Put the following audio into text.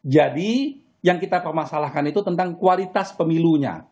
jadi yang kita permasalahkan itu tentang kualitas pemilunya